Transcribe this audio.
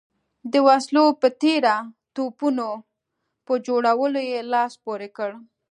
د وسلو په تېره توپونو په جوړولو یې لاس پورې کړ.